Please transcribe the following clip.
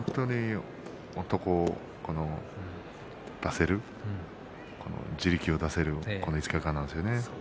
もっと地力を出せる５日間なんですよね。